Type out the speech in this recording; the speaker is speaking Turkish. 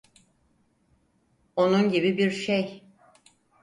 Onun gibi birşey.